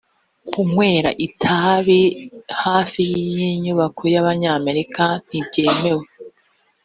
kunywera itabi hafi y inyubako y’abanyamerika ntibyemewe